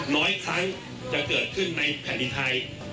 ร้อยครั้งจะเกิดขึ้นในแผ่นดินไทย